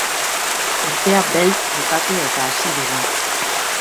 Urtea beltz bukatu eta hasi dugu.